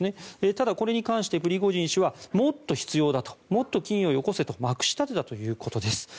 ただこれに関してプリゴジン氏はもっと必要だともっと金をよこせとまくし立てたということです。